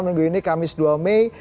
minggu ini kamis dua mei